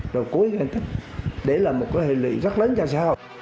rồi cuối gian tích đấy là một hệ lực rất lớn cho xã hội